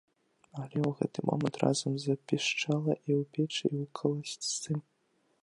Але ў гэты момант разам запішчэла і ў печы, і ў калысцы.